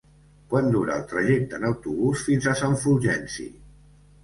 Quant dura el trajecte en autobús fins a Sant Fulgenci?